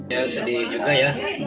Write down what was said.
ya sedih juga ya